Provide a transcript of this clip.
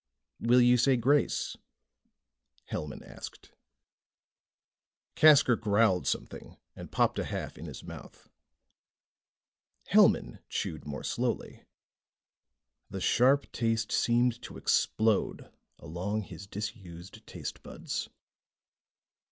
"Will you say grace?" Hellman asked. Casker growled something and popped a half in his mouth. Hellman chewed more slowly. The sharp taste seemed to explode along his disused tastebuds.